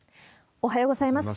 おはようございます。